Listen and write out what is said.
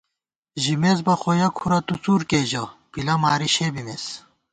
ژِمېس بہ خو یَہ کھُرہ تُو څُور کېئی ژَہ پِلہ ماری شے بِمېس